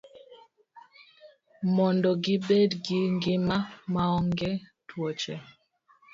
Mondo gibed gi ngima maonge tuoche.